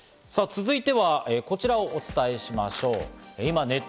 さぁ続いてはこちらをお伝えしましょう。